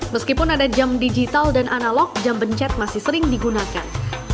meskipun ada jam digital dan analog jam bencet masih sering digunakan